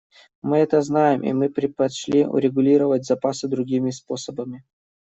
Мы это знаем, и мы предпочли урегулировать запасы другими способами.